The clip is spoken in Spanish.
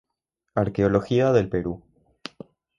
Arqueología del Perú